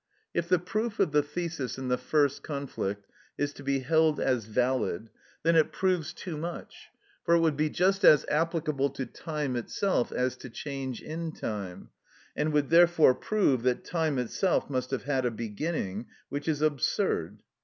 If the proof of the thesis in the first conflict is to be held as valid, then it proves too much, for it would be just as applicable to time itself as to change in time, and would therefore prove that time itself must have had a beginning, which is absurd.